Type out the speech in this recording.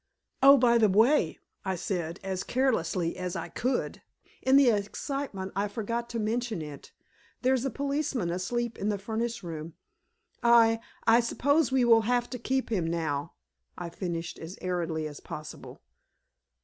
"Oh, by the way," I said, as carelessly as I could. "In the excitement, I forgot to mention it. There is a policeman asleep in the furnace room. I I suppose we will have to keep him now," I finished as airily as possible.